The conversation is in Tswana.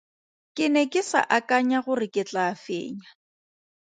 Ke ne ke sa akanya gore ke tlaa fenya.